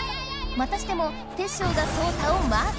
またしてもテッショウがソウタをマーク。